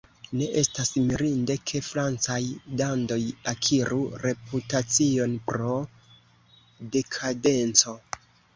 Ne estas mirinde, ke francaj dandoj akiru reputacion pro dekadenco.